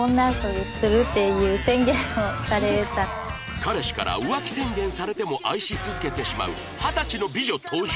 彼氏から浮気宣言されても愛し続けてしまう二十歳の美女登場